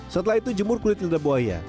setelah itu jemur kulit lidah buaya